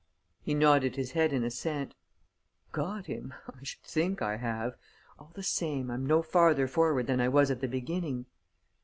He nodded his head in assent: "Got him? I should think I have! All the same, I'm no farther forward than I was at the beginning."